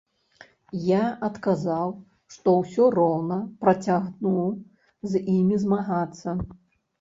Я адказаў, што ўсё роўна працягну з імі змагацца.